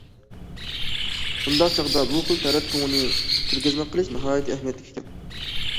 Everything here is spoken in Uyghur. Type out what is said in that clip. بۇنداق چاغدا بۇ خىل تەرەت تۇڭىنى كۆرگەزمە قىلىش ناھايىتى ئەھمىيەتلىك ئىكەن.